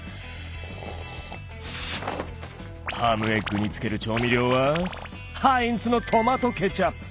ハムエッグにつける調味料はハインツのトマトケチャップ。